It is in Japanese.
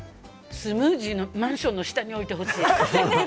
スムージーの、マンションの下に置いてほしい。